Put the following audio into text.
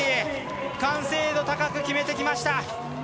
完成度高く決めてきました。